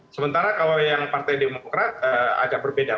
sementara kalau yang partai demokrat ada perbedaan